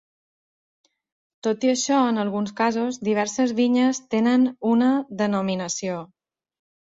Tot i això, en alguns casos, diverses vinyes tenen una denominació.